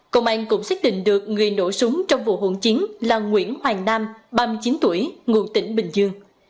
công an cũng xác định được người nổ súng trong vụ hỗn chiến là nguyễn hoàng nam ba mươi chín tuổi ngụ tỉnh bình dương